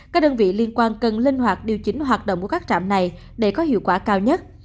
các đơn vị liên quan cần linh hoạt điều chỉnh hoạt động của các trạm này để có hiệu quả cao nhất